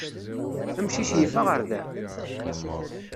Amcic yif aɣerda?